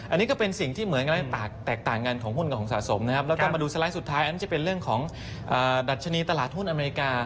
อันนี้ก็เป็นสิ่งที่เหมือนกันแตกต่างกันของหุ้นกับของสะสมนะครับแล้วก็มาดูสไลด์สุดท้ายอันนั้นจะเป็นเรื่องของดัชนีตลาดหุ้นอเมริกา